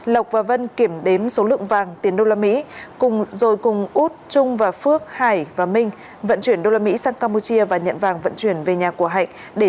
lộc và vân kiểm đếm số lượng vàng tiền đô la mỹ rồi cùng út trung và phước hải và minh vận chuyển đô la mỹ sang campuchia và nhận vàng vận chuyển về nhà của hạnh